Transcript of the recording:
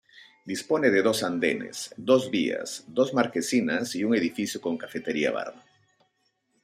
Dispone de dos andenes, dos vías, dos marquesinas y un edificio con cafetería-bar.